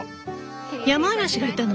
ヤマアラシがいたの？